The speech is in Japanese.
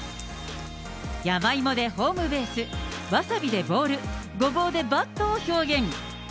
山芋でホームベース、わさびでボール、ごぼうでバットを表現。